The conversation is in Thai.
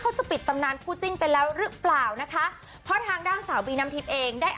จะปิดตำนานคู่จิ้นไปแล้วหรือเปล่านะคะเพราะทางด้านสาวบีน้ำทิพย์เองได้